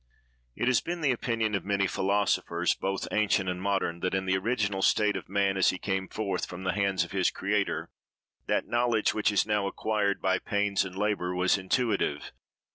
IT has been the opinion of many philosophers, both ancient and modern, that in the original state of man, as he came forth from the hands of his Creator, that knowledge which is now acquired by pains and labor was intuitive.